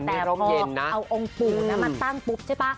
แต่พอเอาองค์ปู่มาตั้งปุ๊บใช่ป่ะ